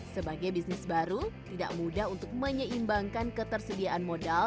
sebagai bisnis baru tidak mudah untuk menyeimbangkan ketersediaan modal